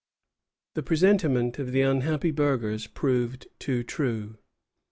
The presentiment of the unhappy burghers proved too true.